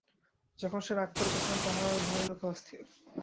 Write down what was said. যখন সে রাগ করে তখন তাহার ভয়ে লোকে অস্থির।